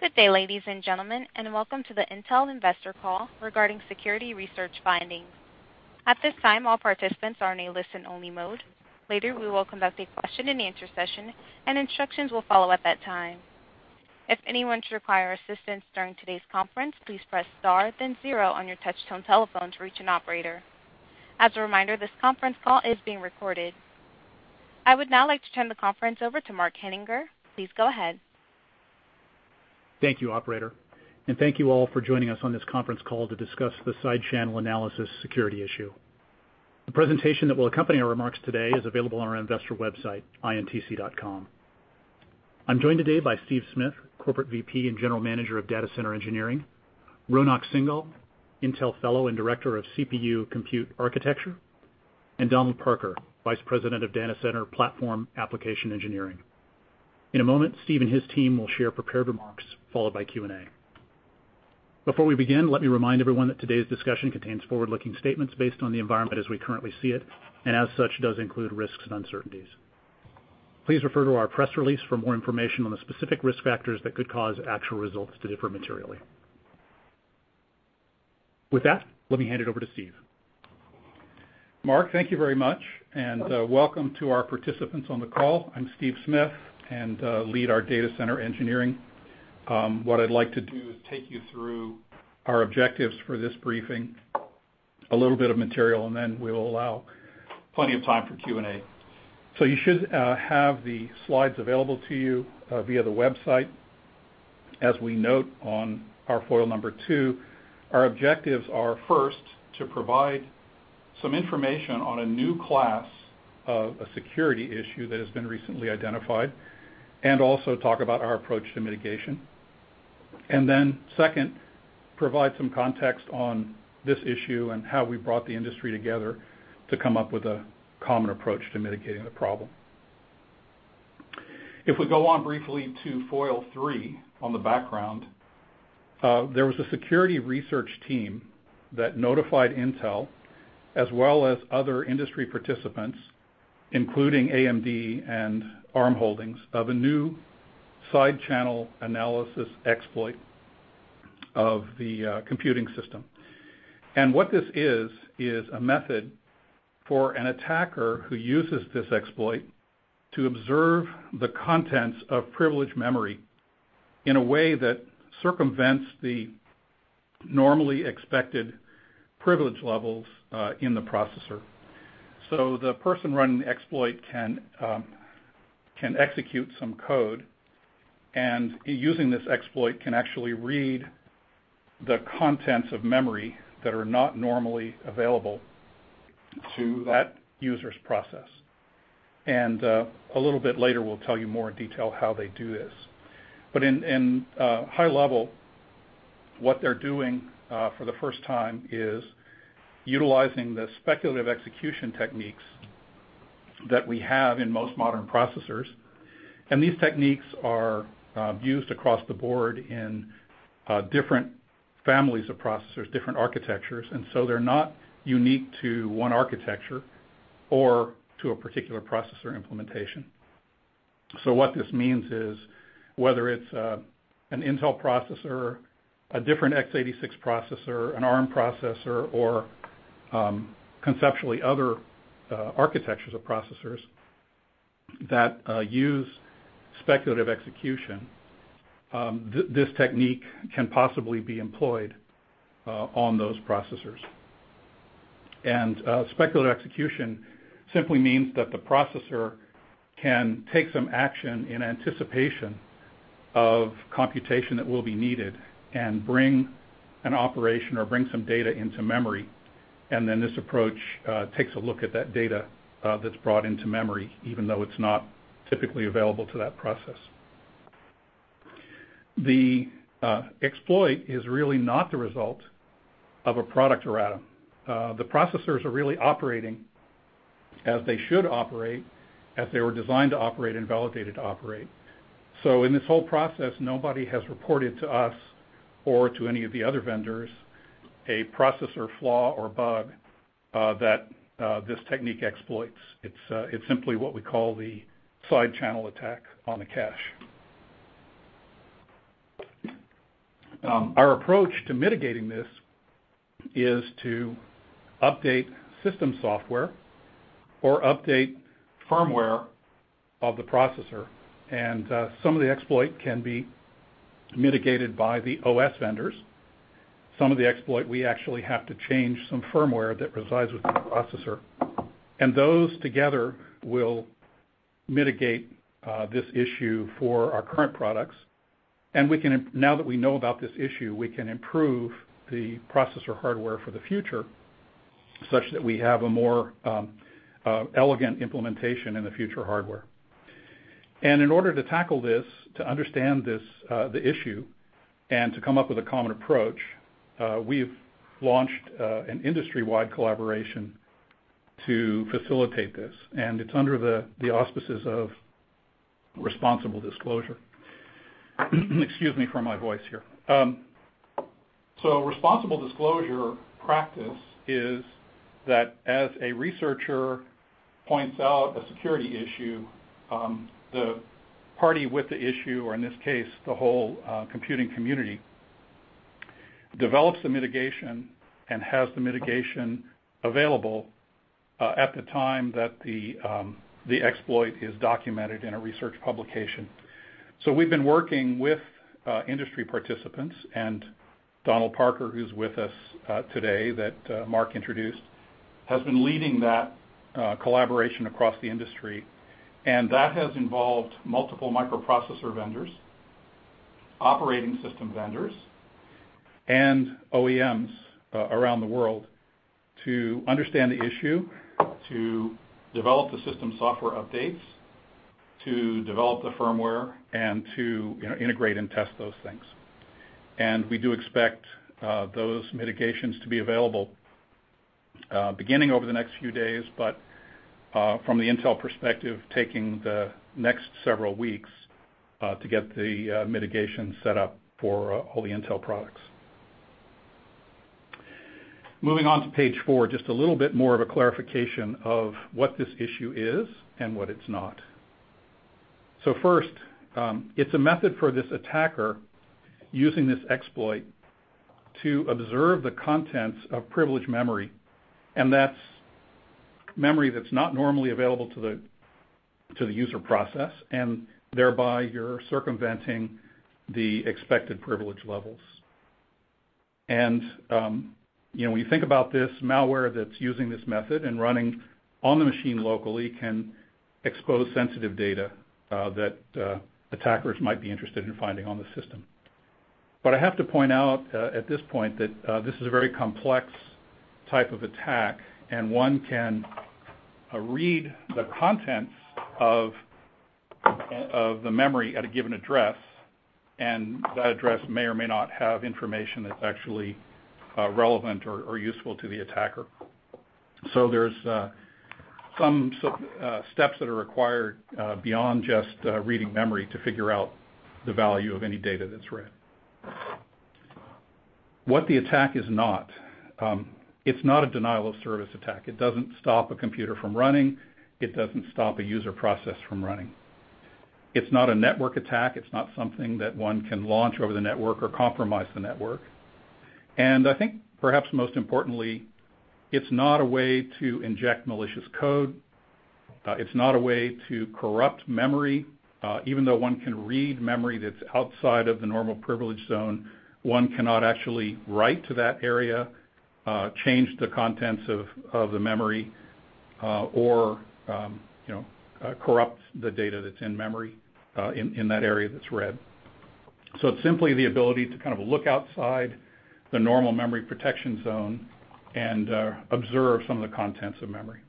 Good day, ladies and gentlemen, welcome to the Intel investor call regarding security research findings. At this time, all participants are in a listen-only mode. Later, we will conduct a question and answer session, instructions will follow at that time. If anyone should require assistance during today's conference, please press star then zero on your touch-tone telephone to reach an operator. As a reminder, this conference call is being recorded. I would now like to turn the conference over to Mark Henninger. Please go ahead. Thank you, operator, thank you all for joining us on this conference call to discuss the side-channel analysis security issue. The presentation that will accompany our remarks today is available on our investor website, intc.com. I'm joined today by Stephen L. Smith, Corporate Vice President and General Manager of Data Center Engineering, Ronak Singhal, Intel Fellow and Director of CPU Compute Architecture, Donald Parker, Vice President of Data Center Platform Application Engineering. In a moment, Steve and his team will share prepared remarks, followed by Q&A. Before we begin, let me remind everyone that today's discussion contains forward-looking statements based on the environment as we currently see it, as such, does include risks and uncertainties. Please refer to our press release for more information on the specific risk factors that could cause actual results to differ materially. With that, let me hand it over to Steve. Mark, thank you very much, welcome to our participants on the call. I'm Steve Smith lead our Data Center Engineering. What I'd like to do is take you through our objectives for this briefing, a little bit of material, then we'll allow plenty of time for Q&A. You should have the slides available to you via the website. As we note on our foil number two, our objectives are first, to provide some information on a new class of a security issue that has been recently identified, also talk about our approach to mitigation. Then second, provide some context on this issue and how we brought the industry together to come up with a common approach to mitigating the problem. If we go on briefly to foil three on the background, there was a security research team that notified Intel as well as other industry participants, including AMD and Arm Holdings, of a new side-channel analysis exploit of the computing system. What this is a method for an attacker who uses this exploit to observe the contents of privileged memory in a way that circumvents the normally expected privilege levels in the processor. The person running the exploit can execute some code, using this exploit can actually read the contents of memory that are not normally available to that user's process. A little bit later, we'll tell you more in detail how they do this. In high level, what they're doing for the first time is utilizing the speculative execution techniques that we have in most modern processors, and these techniques are used across the board in different families of processors, different architectures, they're not unique to one architecture or to a particular processor implementation. What this means is, whether it's an Intel processor, a different x86 processor, an Arm processor or conceptually other architectures of processors that use speculative execution, this technique can possibly be employed on those processors. Speculative execution simply means that the processor can take some action in anticipation of computation that will be needed and bring an operation or bring some data into memory, and then this approach takes a look at that data that's brought into memory, even though it's not typically available to that process. The exploit is really not the result of a product erratum. The processors are really operating as they should operate, as they were designed to operate and validated to operate. In this whole process, nobody has reported to us or to any of the other vendors a processor flaw or bug that this technique exploits. It's simply what we call the side-channel attack on a cache. Our approach to mitigating this is to update system software or update firmware of the processor, and some of the exploit can be mitigated by the OS vendors. Some of the exploit, we actually have to change some firmware that resides within the processor. Those together will mitigate this issue for our current products. Now that we know about this issue, we can improve the processor hardware for the future such that we have a more elegant implementation in the future hardware. In order to tackle this, to understand the issue, and to come up with a common approach, we've launched an industry-wide collaboration to facilitate this, and it's under the auspices of responsible disclosure. Excuse me for my voice here. Responsible disclosure practice is that as a researcher points out a security issue, the party with the issue, or in this case, the whole computing community, develops a mitigation and has the mitigation available at the time that the exploit is documented in a research publication. We've been working with industry participants, Donald Parker, who's with us today, that Mark introduced, has been leading that collaboration across the industry. That has involved multiple microprocessor vendors, operating system vendors, and OEMs around the world to understand the issue, to develop the system software updates, to develop the firmware, and to integrate and test those things. We do expect those mitigations to be available beginning over the next few days, but from the Intel perspective, taking the next several weeks, to get the mitigation set up for all the Intel products. Moving on to page four, just a little bit more of a clarification of what this issue is and what it's not. First, it's a method for this attacker using this exploit to observe the contents of privileged memory, and that's memory that's not normally available to the user process. Thereby you're circumventing the expected privilege levels. When you think about this malware that's using this method and running on the machine locally can expose sensitive data that attackers might be interested in finding on the system. I have to point out at this point that this is a very complex type of attack, and one can read the contents of the memory at a given address, and that address may or may not have information that's actually relevant or useful to the attacker. There's some steps that are required beyond just reading memory to figure out the value of any data that's read. What the attack is not. It's not a denial of service attack. It doesn't stop a computer from running. It doesn't stop a user process from running. It's not a network attack. It's not something that one can launch over the network or compromise the network. I think perhaps most importantly, it's not a way to inject malicious code. It's not a way to corrupt memory. Even though one can read memory that's outside of the normal privilege zone, one cannot actually write to that area, change the contents of the memory, or corrupt the data that's in memory in that area that's read. It's simply the ability to kind of look outside the normal memory protection zone and observe some of the contents of memory.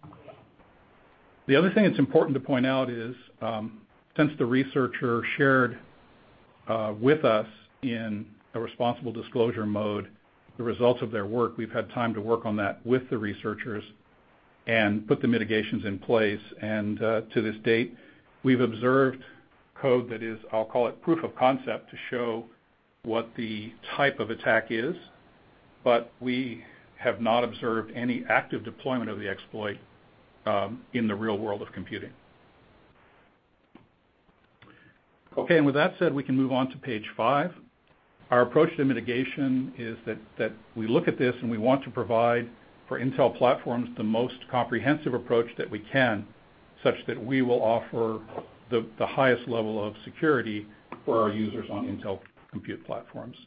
The other thing that's important to point out is, since the researcher shared with us in a responsible disclosure mode the results of their work, we've had time to work on that with the researchers and put the mitigations in place. To this date, we've observed code that is, I'll call it proof of concept to show what the type of attack is, but we have not observed any active deployment of the exploit in the real world of computing. With that said, we can move on to page five. Our approach to mitigation is that we look at this and we want to provide for Intel platforms the most comprehensive approach that we can, such that we will offer the highest level of security for our users on Intel compute platforms.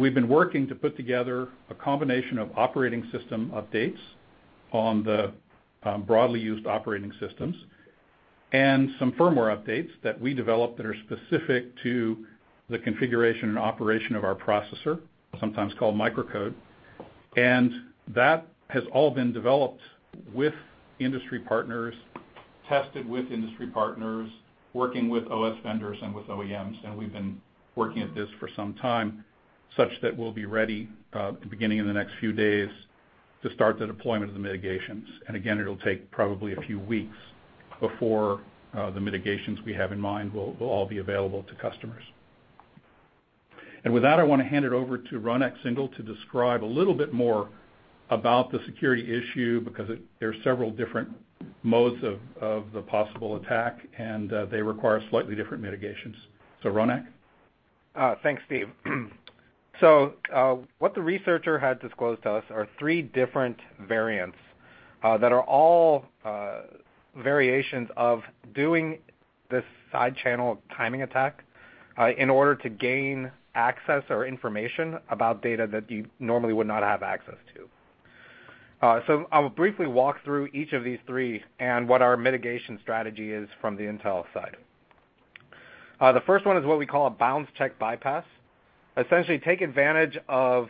We've been working to put together a combination of operating system updates on the broadly used operating systems and some firmware updates that we developed that are specific to the configuration and operation of our processor, sometimes called microcode. That has all been developed with industry partners, tested with industry partners, working with OS vendors and with OEMs. We've been working at this for some time such that we'll be ready beginning in the next few days to start the deployment of the mitigations. Again, it'll take probably a few weeks before the mitigations we have in mind will all be available to customers. With that, I want to hand it over to Ronak Singhal to describe a little bit more about the security issue because there are several different modes of the possible attack, and they require slightly different mitigations. Ronak. Thanks, Steve. What the researcher had disclosed to us are three different variants that are all variations of doing this side-channel timing attack in order to gain access or information about data that you normally would not have access to. I will briefly walk through each of these three and what our mitigation strategy is from the Intel side. The first one is what we call a bounds check bypass. Essentially take advantage of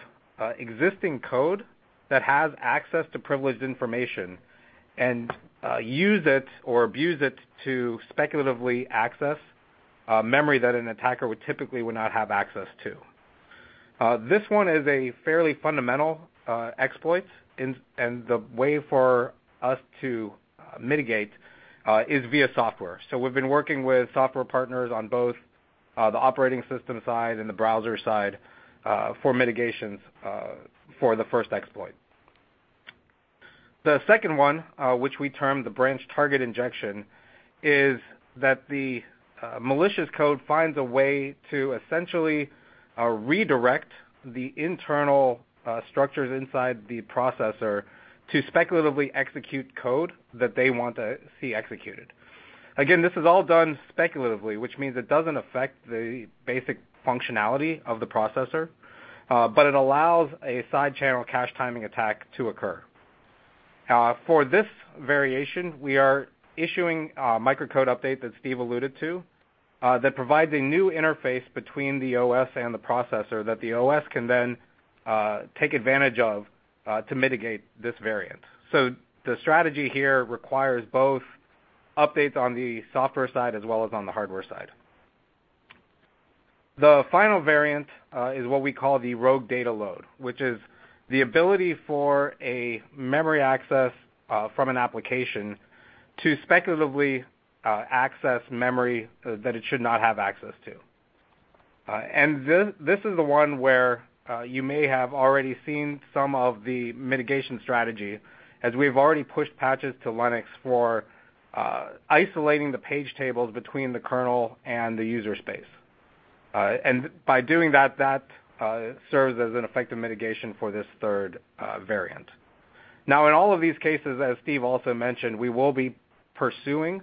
existing code that has access to privileged information and use it or abuse it to speculatively access memory that an attacker would typically would not have access to. This one is a fairly fundamental exploit, and the way for us to mitigate, is via software. We've been working with software partners on both the operating system side and the browser side for mitigations for the first exploit. The second one, which we term the branch target injection, is that the malicious code finds a way to essentially redirect the internal structures inside the processor to speculatively execute code that they want to see executed. Again, this is all done speculatively, which means it doesn't affect the basic functionality of the processor, but it allows a side-channel cache timing attack to occur. For this variation, we are issuing a microcode update that Steve alluded to that provides a new interface between the OS and the processor that the OS can then take advantage of to mitigate this variant. The strategy here requires both updates on the software side as well as on the hardware side. The final variant is what we call the rogue data load, which is the ability for a memory access from an application to speculatively access memory that it should not have access to. This is the one where you may have already seen some of the mitigation strategy as we've already pushed patches to Linux for isolating the page tables between the kernel and the user space. By doing that serves as an effective mitigation for this third variant. In all of these cases, as Steve also mentioned, we will be pursuing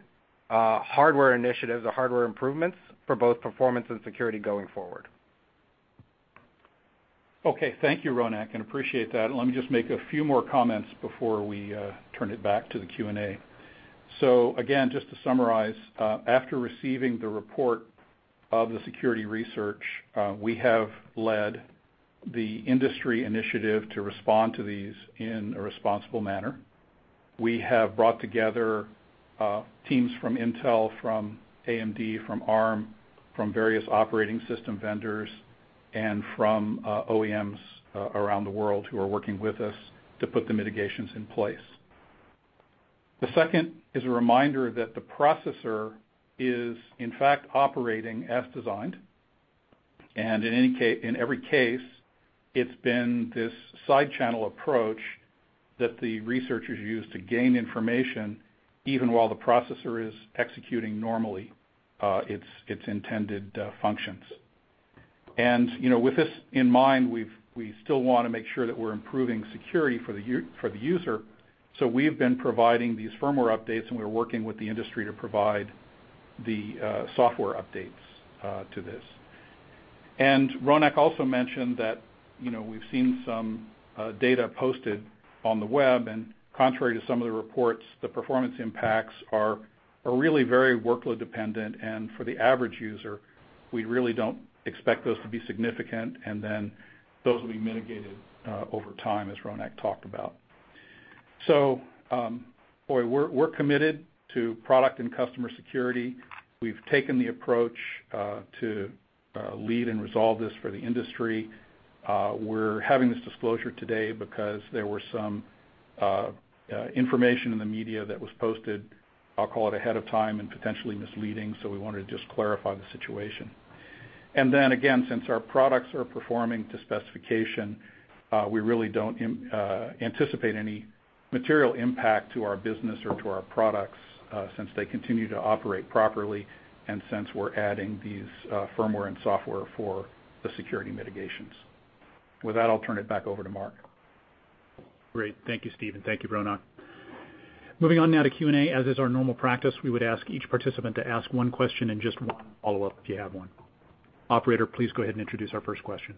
hardware initiatives or hardware improvements for both performance and security going forward. Okay. Thank you, Ronak, and appreciate that. Let me just make a few more comments before we turn it back to the Q&A. Again, just to summarize, after receiving the report of the security research, we have led the industry initiative to respond to these in a responsible manner. We have brought together teams from Intel, from AMD, from Arm, from various operating system vendors, and from OEMs around the world who are working with us to put the mitigations in place. The second is a reminder that the processor is in fact operating as designed, and in every case, it's been this side-channel approach that the researchers use to gain information even while the processor is executing normally its intended functions. With this in mind, we still want to make sure that we're improving security for the user. We have been providing these firmware updates, and we're working with the industry to provide the software updates to this. Ronak also mentioned that we've seen some data posted on the web, and contrary to some of the reports, the performance impacts are really very workload-dependent. For the average user, we really don't expect those to be significant. Those will be mitigated over time, as Ronak talked about. We're committed to product and customer security. We've taken the approach to lead and resolve this for the industry. We're having this disclosure today because there was some information in the media that was posted, I'll call it ahead of time and potentially misleading, so we wanted to just clarify the situation. Again, since our products are performing to specification, we really don't anticipate any material impact to our business or to our products since they continue to operate properly and since we're adding these firmware and software for the security mitigations. With that, I'll turn it back over to Mark. Great. Thank you, Steve, and thank you, Ronak. Moving on now to Q&A. As is our normal practice, we would ask each participant to ask one question and just one follow-up if you have one. Operator, please go ahead and introduce our first question.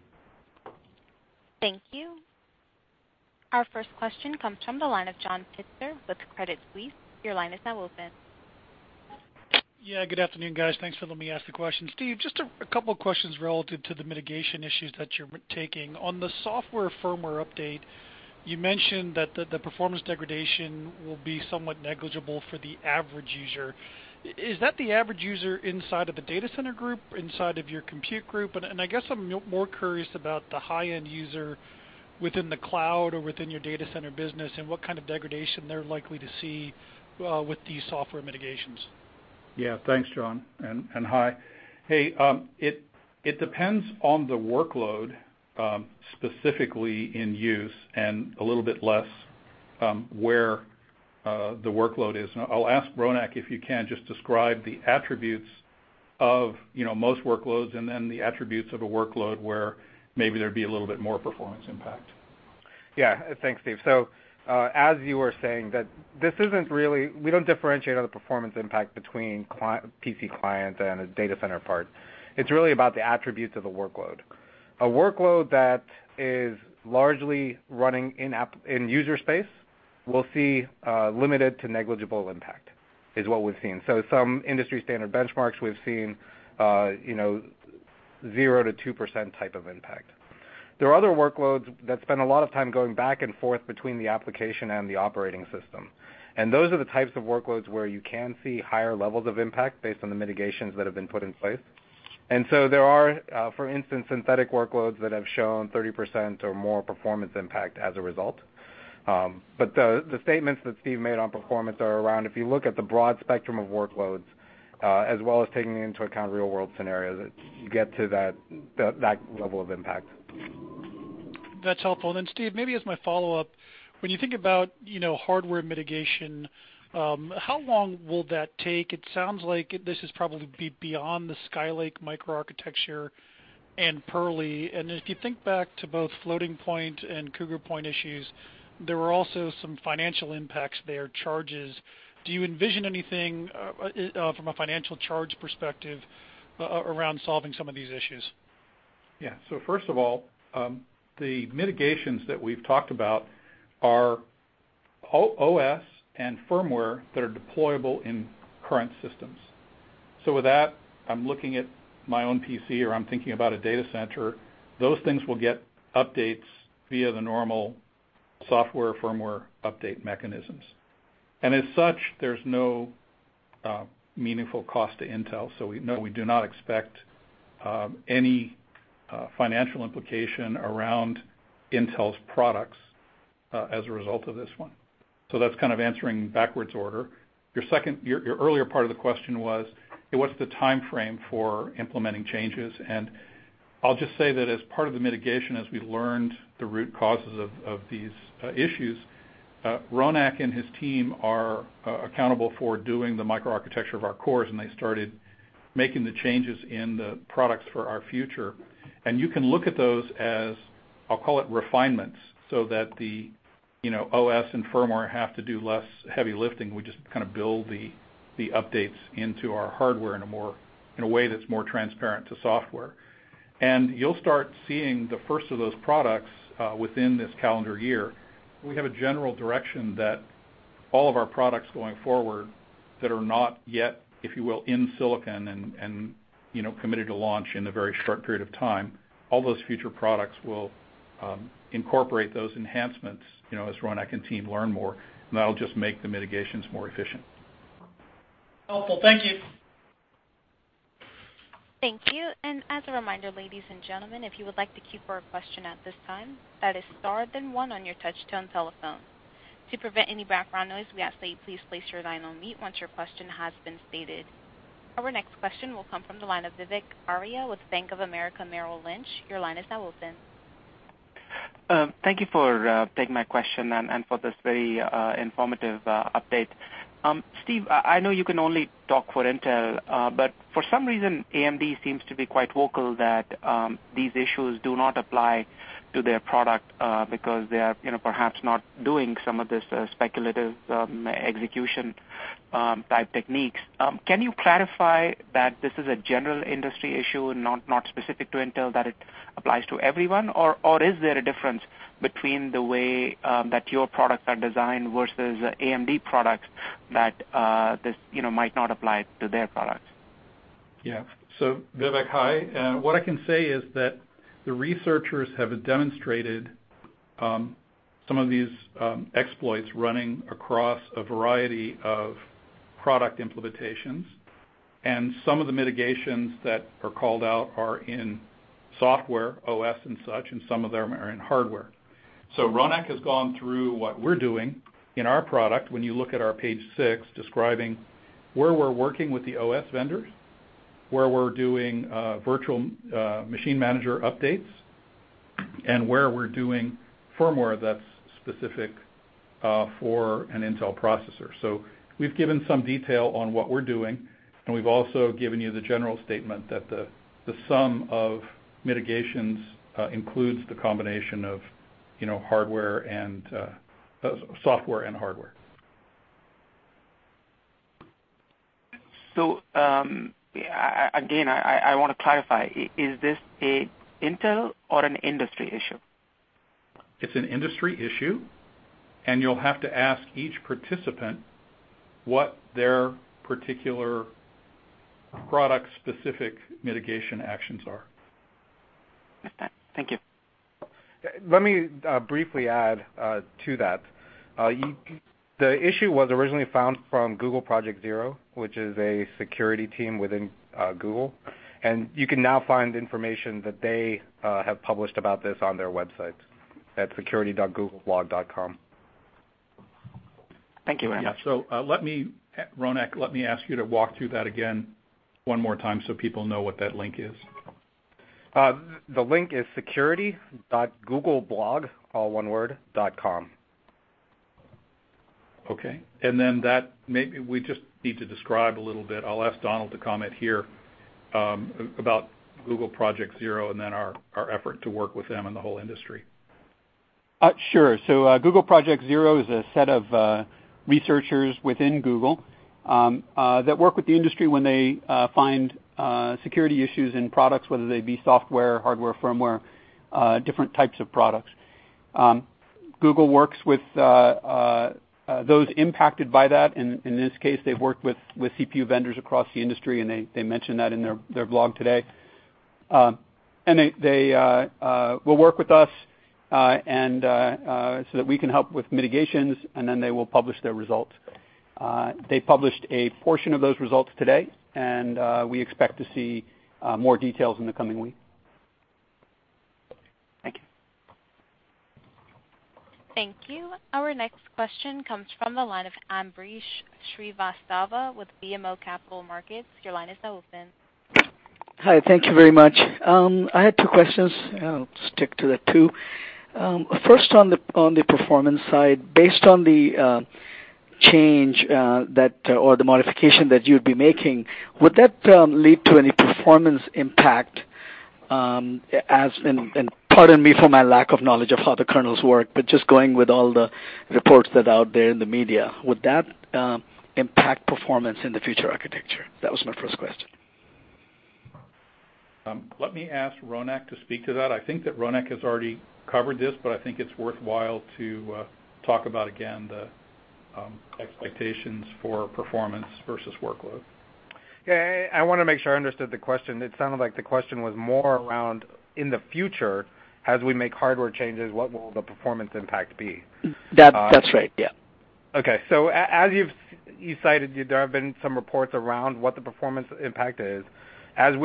Thank you. Our first question comes from the line of John Pitzer with Credit Suisse. Your line is now open. Yeah, good afternoon, guys. Thanks for letting me ask the question. Steve, just a couple of questions relative to the mitigation issues that you're taking. On the software firmware update, you mentioned that the performance degradation will be somewhat negligible for the average user. Is that the average user inside of the data center group, inside of your compute group? I guess I'm more curious about the high-end user within the cloud or within your data center business and what kind of degradation they're likely to see with these software mitigations. Yeah. Thanks, John, and hi. Hey, it depends on the workload, specifically in use and a little bit less where the workload is. I'll ask Ronak if you can just describe the attributes of most workloads and then the attributes of a workload where maybe there'd be a little bit more performance impact. Yeah. Thanks, Steve. As you were saying, we don't differentiate on the performance impact between PC client and a data center part. It's really about the attributes of a workload. A workload that is largely running in user space will see limited to negligible impact, is what we've seen. Some industry standard benchmarks, we've seen 0-2% type of impact. There are other workloads that spend a lot of time going back and forth between the application and the operating system. Those are the types of workloads where you can see higher levels of impact based on the mitigations that have been put in place. There are, for instance, synthetic workloads that have shown 30% or more performance impact as a result. The statements that Steve made on performance are around, if you look at the broad spectrum of workloads, as well as taking into account real-world scenarios, you get to that level of impact. That's helpful. Steve, maybe as my follow-up, when you think about hardware mitigation, how long will that take? It sounds like this is probably beyond the Skylake microarchitecture and Purley. If you think back to both Floating Point and Cougar Point issues, there were also some financial impacts there, charges. Do you envision anything from a financial charge perspective around solving some of these issues? Yeah. First of all, the mitigations that we've talked about are OS and firmware that are deployable in current systems. With that, I'm looking at my own PC or I'm thinking about a data center. Those things will get updates via the normal software, firmware update mechanisms. As such, there's no meaningful cost to Intel. We do not expect any financial implication around Intel's products as a result of this one. That's kind of answering backwards order. Your earlier part of the question was, what's the timeframe for implementing changes? I'll just say that as part of the mitigation, as we learned the root causes of these issues, Ronak and his team are accountable for doing the microarchitecture of our cores, and they started making the changes in the products for our future. You can look at those as, I'll call it refinements, that the OS and firmware have to do less heavy lifting. We just build the updates into our hardware in a way that's more transparent to software. You'll start seeing the first of those products within this calendar year. We have a general direction that all of our products going forward that are not yet, if you will, in Silicon and committed to launch in a very short period of time, all those future products will incorporate those enhancements, as Ronak and team learn more, that'll just make the mitigations more efficient. Helpful. Thank you. Thank you. As a reminder, ladies and gentlemen, if you would like to queue for a question at this time, that is star then one on your touch-tone telephone. To prevent any background noise, we ask that you please place your line on mute once your question has been stated. Our next question will come from the line of Vivek Arya with Bank of America Merrill Lynch. Your line is now open. Thank you for taking my question and for this very informative update. Steve, I know you can only talk for Intel, but for some reason, AMD seems to be quite vocal that these issues do not apply to their product because they are perhaps not doing some of this speculative execution type techniques. Can you clarify that this is a general industry issue, not specific to Intel, that it applies to everyone? Or is there a difference between the way that your products are designed versus AMD products that this might not apply to their products? Vivek, hi. What I can say is that the researchers have demonstrated some of these exploits running across a variety of product implementations, and some of the mitigations that are called out are in software, OS, and such, and some of them are in hardware. Ronak has gone through what we're doing in our product when you look at our page six, describing where we're working with the OS vendors, where we're doing virtual machine manager updates, and where we're doing firmware that's specific for an Intel processor. We've given some detail on what we're doing, and we've also given you the general statement that the sum of mitigations includes the combination of software and hardware. Again, I want to clarify. Is this an Intel or an industry issue? It's an industry issue, and you'll have to ask each participant what their particular product-specific mitigation actions are. Okay. Thank you. Let me briefly add to that. The issue was originally found from Google Project Zero, which is a security team within Google, and you can now find information that they have published about this on their website at security.googleblog.com. Thank you very much. Yeah. Ronak, let me ask you to walk through that again one more time so people know what that link is. The link is security.googleblog.com. Okay. Maybe we just need to describe a little bit. I'll ask Donald to comment here about Google Project Zero, our effort to work with them and the whole industry. Sure. Google Project Zero is a set of researchers within Google that work with the industry when they find security issues in products, whether they be software, hardware, firmware, different types of products. Google works with those impacted by that. In this case, they've worked with CPU vendors across the industry, they mentioned that in their blog today. They will work with us so that we can help with mitigations, and then they will publish their results. They published a portion of those results today, and we expect to see more details in the coming week. Thank you. Thank you. Our next question comes from the line of Ambrish Srivastava with BMO Capital Markets. Your line is now open. Hi, thank you very much. I had two questions. I will stick to the two. First on the performance side. Based on the change or the modification that you would be making, would that lead to any performance impact? Pardon me for my lack of knowledge of how the kernels work, but just going with all the reports that are out there in the media, would that impact performance in the future architecture? That was my first question. Let me ask Ronak to speak to that. I think that Ronak has already covered this, but I think it's worthwhile to talk about again the expectations for performance versus workload. Yeah, I want to make sure I understood the question. It sounded like the question was more around in the future, as we make hardware changes, what will the performance impact be? That's right. Yeah. Okay. As you cited, there have been some reports around what the performance impact is. As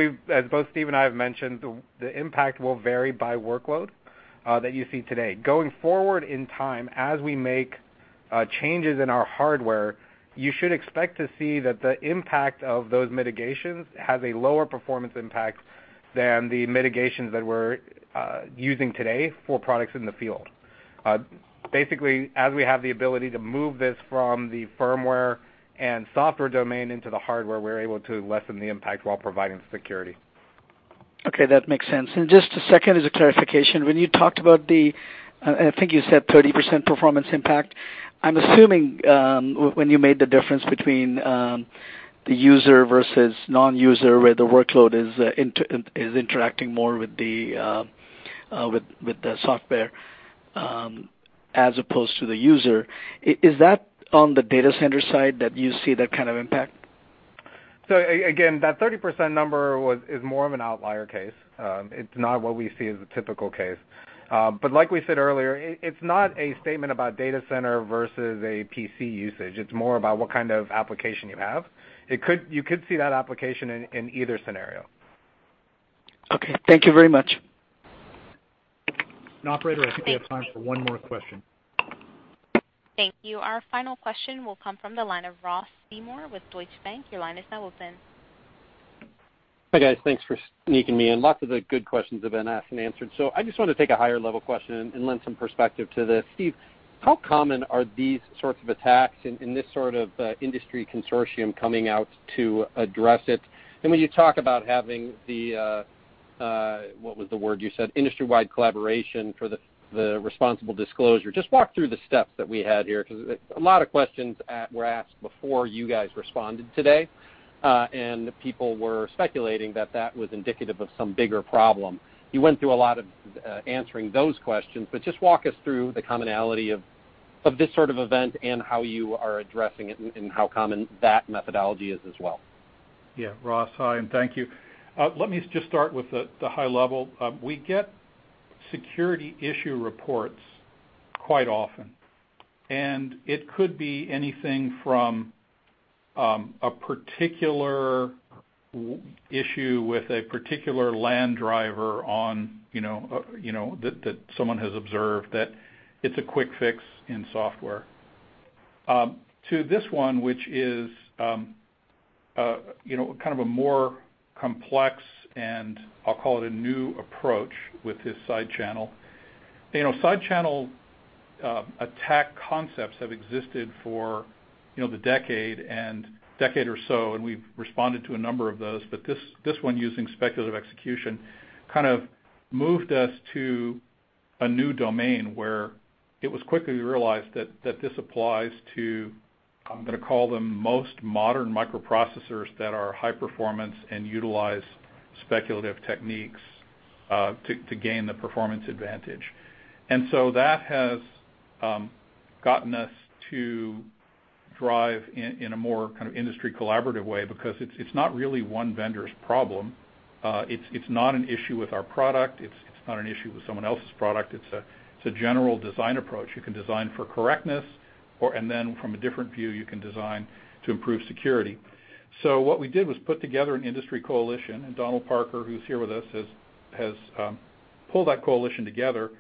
both Steve and I have mentioned, the impact will vary by workload that you see today. Going forward in time, as we make changes in our hardware, you should expect to see that the impact of those mitigations has a lower performance impact than the mitigations that we're using today for products in the field. Basically, as we have the ability to move this from the firmware and software domain into the hardware, we're able to lessen the impact while providing security. Okay, that makes sense. Just a second, as a clarification, when you talked about the, I think you said 30% performance impact, I'm assuming when you made the difference between the user versus non-user where the workload is interacting more with the software as opposed to the user, is that on the data center side that you see that kind of impact? Again, that 30% number is more of an outlier case. It's not what we see as a typical case. Like we said earlier, it's not a statement about data center versus a PC usage. It's more about what kind of application you have. You could see that application in either scenario. Okay. Thank you very much. Operator- Thank you I think we have time for one more question. Thank you. Our final question will come from the line of Ross Seymore with Deutsche Bank. Your line is now open. Hi, guys. Thanks for sneaking me in. Lots of the good questions have been asked and answered. I just wanted to take a higher-level question and lend some perspective to this. Steve, how common are these sorts of attacks and this sort of industry consortium coming out to address it? When you talk about having the, what was the word you said, industry-wide collaboration for the responsible disclosure, just walk through the steps that we had here, because a lot of questions were asked before you guys responded today. People were speculating that that was indicative of some bigger problem. You went through a lot of answering those questions, but just walk us through the commonality of this sort of event and how you are addressing it and how common that methodology is as well. Yeah. Ross, hi, and thank you. Let me just start with the high level. We get security issue reports quite often, and it could be anything from a particular issue with a particular LAN driver that someone has observed that it's a quick fix in software, to this one, which is kind of a more complex, and I'll call it a new approach with this side-channel. Side-channel attack concepts have existed for the decade or so, and we've responded to a number of those. This one using speculative execution kind of moved us to a new domain where it was quickly realized that this applies to, I'm going to call them most modern microprocessors that are high performance and utilize speculative techniques to gain the performance advantage. That has gotten us to drive in a more kind of industry collaborative way because it's not really one vendor's problem. It's not an issue with our product. It's not an issue with someone else's product. It's a general design approach. You can design for correctness or, and then from a different view, you can design to improve security. What we did was put together an industry coalition, and Donald Parker, who's here with us, has pulled that coalition together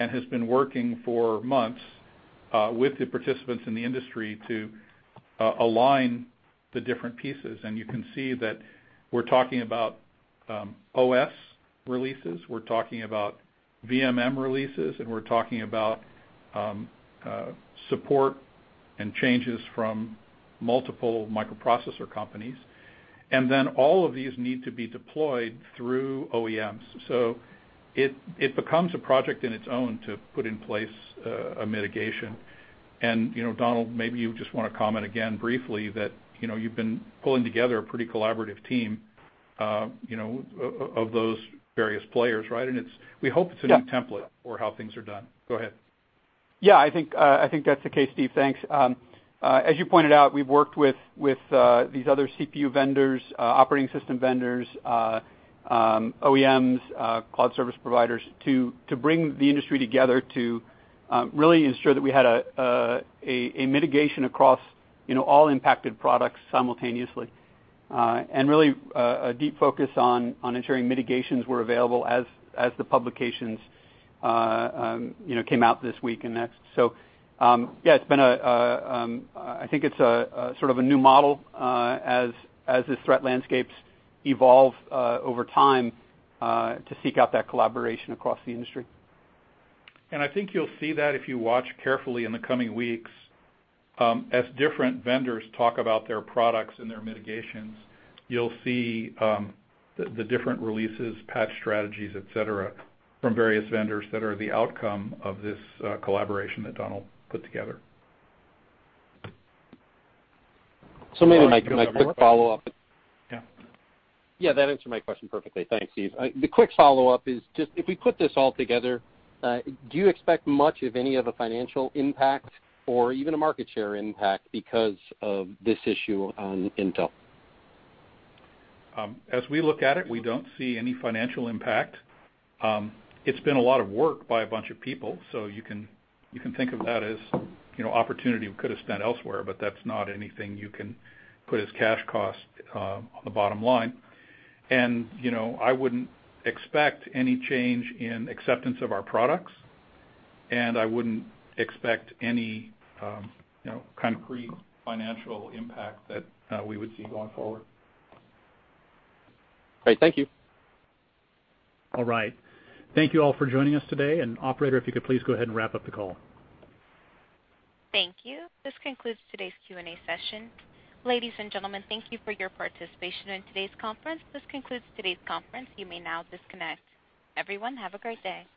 and has been working for months with the participants in the industry to align the different pieces. You can see that we're talking about OS releases, we're talking about VMM releases, and we're talking about support and changes from multiple microprocessor companies. All of these need to be deployed through OEMs. It becomes a project in its own to put in place a mitigation. Donald, maybe you just want to comment again briefly that you've been pulling together a pretty collaborative team of those various players, right? And we hope it's- Yeah a new template for how things are done. Go ahead. Yeah, I think that's the case, Steve. Thanks. As you pointed out, we've worked with these other CPU vendors, operating system vendors, OEMs, cloud service providers, to bring the industry together to really ensure that we had a mitigation across all impacted products simultaneously, and really a deep focus on ensuring mitigations were available as the publications came out this week and next. I think it's a new model as the threat landscapes evolve over time, to seek out that collaboration across the industry. I think you'll see that if you watch carefully in the coming weeks, as different vendors talk about their products and their mitigations. You'll see the different releases, patch strategies, et cetera, from various vendors that are the outcome of this collaboration that Donald put together. Maybe my quick follow-up. Yeah. Yeah, that answered my question perfectly. Thanks, Steve. The quick follow-up is just, if we put this all together, do you expect much of any of the financial impact or even a market share impact because of this issue on Intel? As we look at it, we don't see any financial impact. It's been a lot of work by a bunch of people, so you can think of that as opportunity we could have spent elsewhere, but that's not anything you can put as cash cost on the bottom line. I wouldn't expect any change in acceptance of our products, and I wouldn't expect any concrete financial impact that we would see going forward. Great. Thank you. All right. Thank you all for joining us today, and operator, if you could please go ahead and wrap up the call. Thank you. This concludes today's Q&A session. Ladies and gentlemen, thank you for your participation in today's conference. This concludes today's conference. You may now disconnect. Everyone, have a great day.